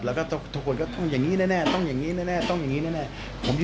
แล้วก็พวกก็อย่างนี้แน่อ่ะ